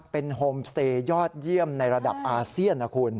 เป็นโฮมสเตย์ยอดเยี่ยมในระดับอาเซียนนะคุณ